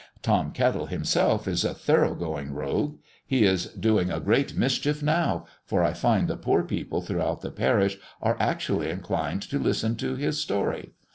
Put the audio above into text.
Tom Kettle himself is a thorough going rogue. He is doing a great mischief now, for I find the poor people throughout the parish are actually inclined to listen to his story.